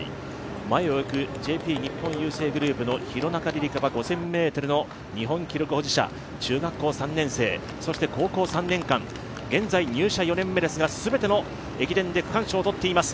前を行く日本郵政グループの廣中璃梨佳は５０００ｍの日本記録保持者、中学校３年生、高校３年間、現在入社４年目ですが、全ての駅伝で区間賞を取っています。